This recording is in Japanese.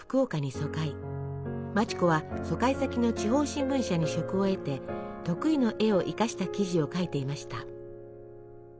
町子は疎開先の地方新聞社に職を得て得意の絵を生かした記事を書いていました。